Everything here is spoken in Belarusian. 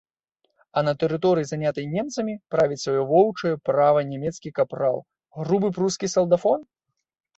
А на тэрыторыі, занятай немцамі, правіць сваё воўчае права нямецкі капрал, грубы прускі салдафон?